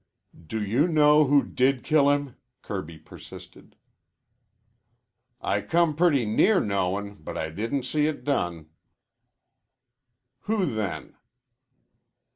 "Do you know who did kill him?" Kirby persisted. "I come pretty near knowing but I didn't see it done." "Who, then?"